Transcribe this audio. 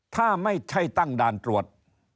ถ้าไม่ใช่ตั้งด่านตรวจ